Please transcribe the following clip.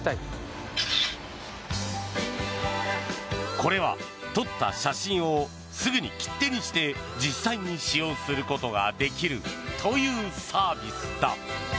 これは撮った写真をすぐに切手にして実際に使用することができるというサービスだ。